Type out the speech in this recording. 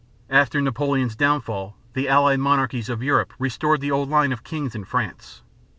After Napoleon's downfall, the allied monarchs of Europe restored the old line of kings in France.